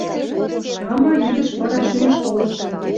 Тама лӱдӹш пыра шӱмӹшкок.